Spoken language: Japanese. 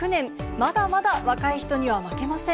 まだまだ若い人には負けません。